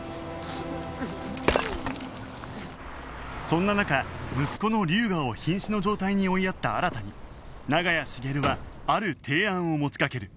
そんな中息子の龍河を瀕死の状態に追いやった新に長屋茂はある提案を持ちかける